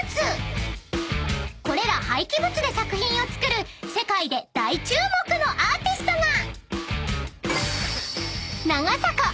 ［これら廃棄物で作品を作る世界で大注目のアーティストが］